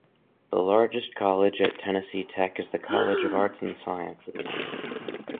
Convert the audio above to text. The largest college at Tennessee Tech is the College of Arts and Sciences.